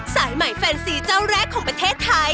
สายใหม่แฟนซีเจ้าแรกของประเทศไทย